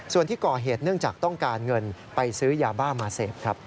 ส่วนที่ก่อเหตุเนื่องจากต้องการเงินไปซื้อยาบ้ามาเสพครับ